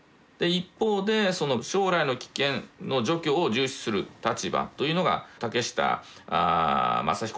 一方で「将来の危険の除去」を重視する立場というのが竹下正彦中佐。